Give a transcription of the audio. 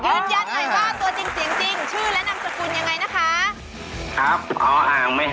ชื่อและนำจุดคุณยังไงนะคะ